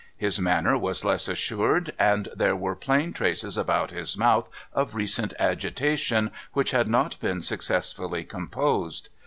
His manner was less assured, and there were plain traces about his mouth of recent agitation which had not been successfully composed.